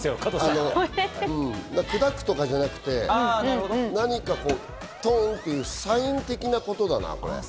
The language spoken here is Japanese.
砕くとかじゃなくて、何かトンっというサイン的みたいなことだな。